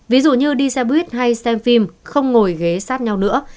ví dụ như đi xe buýt hay xem phim không ngồi ghế sát nhau nữa